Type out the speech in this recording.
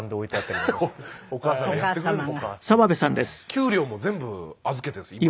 給料も全部預けてるんですよ